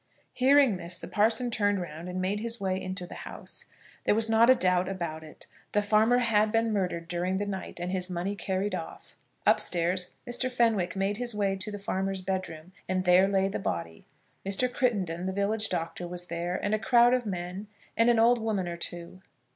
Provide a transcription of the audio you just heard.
Hearing this, the parson turned round, and made his way into the house. There was not a doubt about it. The farmer had been murdered during the night, and his money carried off. Upstairs Mr. Fenwick made his way to the farmer's bedroom, and there lay the body. Mr. Crittenden, the village doctor, was there; and a crowd of men, and an old woman or two.